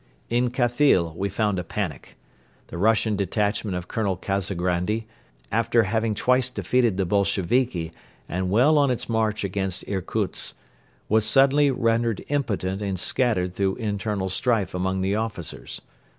In Khathyl we found a panic. The Russian detachment of Colonel Kazagrandi, after having twice defeated the Bolsheviki and well on its march against Irkutsk, was suddenly rendered impotent and scattered through internal strife among the officers.